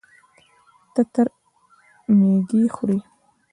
تتر ميږي خوري.